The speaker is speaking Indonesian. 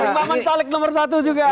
bung maman caleg nomor satu juga